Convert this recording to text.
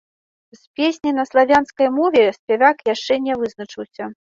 З песняй на славянскай мове спявак яшчэ не вызначыўся.